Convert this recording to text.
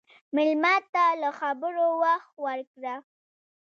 مېلمه ته له خبرو وخت ورکړه.